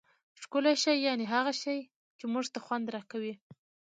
ښکلی شي یعني هغه شي، چي موږ ته خوند راکوي.